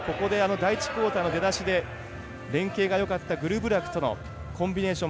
第１クオーターの出だしで連係がよかったグルブラクとのコンビネーション